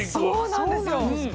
そうなんですよ。